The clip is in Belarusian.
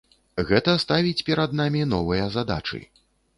Гэта ставіць перад намі новыя задачы.